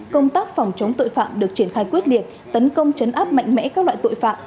công tác phòng chống tội phạm được triển khai quyết liệt tấn công chấn áp mạnh mẽ các loại tội phạm